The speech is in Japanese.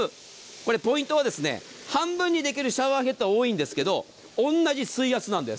これ、ポイントは半分のできるシャワーヘッドは多いんですが同じ水圧なんです。